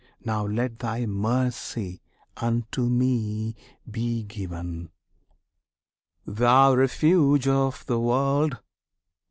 Now let Thy mercy unto me be given, Thou Refuge of the World!